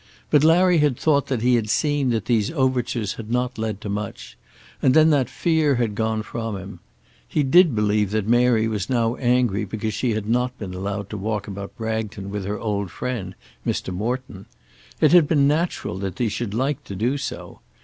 But Larry had thought that he had seen that these overtures had not led to much, and then that fear had gone from him. He did believe that Mary was now angry because she had not been allowed to walk about Bragton with her old friend Mr. Morton. It had been natural that she should like to do so.